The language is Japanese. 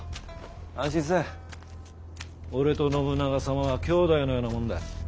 安心せい俺と信長様は兄弟のようなもんだ。